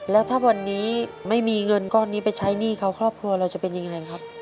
แล้วถ้าวันนี้ไม่มีเงินก้อนนี้ไปใช้หนี้เขาครอบครัวเราจะเป็นยังไงครับ